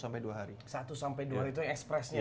satu sampai dua hari itu express nya ya